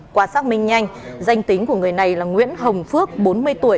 qua xác minh nhanh danh tính của người này là nguyễn hồng phước bốn mươi tuổi